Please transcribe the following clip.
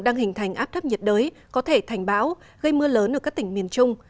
áp thấp nhiệt đới có thể thành bão gây mưa lớn ở các tỉnh miền trung